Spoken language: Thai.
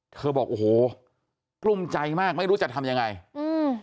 เธอบอกโอ้โหกลุ้มใจมากไม่รู้จะทำยังไงอืม